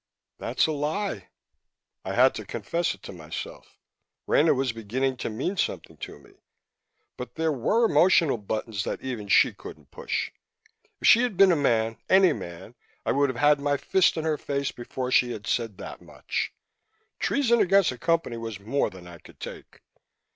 "That's a lie!" I had to confess it to myself: Rena was beginning to mean something to me. But there were emotional buttons that even she couldn't push. If she had been a man, any man, I would have had my fist in her face before she had said that much; treason against the Company was more than I could take.